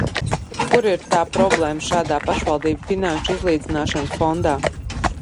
Kur ir tā problēma šādā pašvaldību finanšu izlīdzināšanas fondā?